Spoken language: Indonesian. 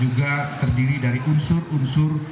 juga terdiri dari unsur unsur